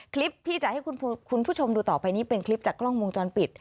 คลิปที่จะให้คุณผู้ชมดูต่อไปนี้เป็นคลิปจากกล้องวงจรปิด